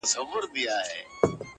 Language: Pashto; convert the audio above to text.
د سړیو په شان روغې ځنې ځنې